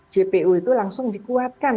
jpu itu langsung dikuatkan